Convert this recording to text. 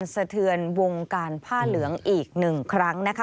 สะเทือนวงการผ้าเหลืองอีกหนึ่งครั้งนะคะ